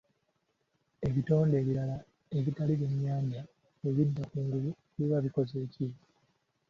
Ebitonde ebirala ebitali byannyanja bwe bidda kungulu biba bikoze ki?